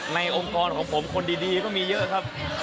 องค์กรของผมคนดีก็มีเยอะครับ